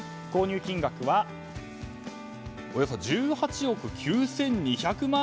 購入金額はおよそ１８億９２００万円。